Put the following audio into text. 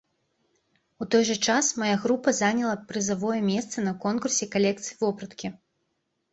У той жа час мая група заняла прызавое месца на конкурсе калекцый вопраткі.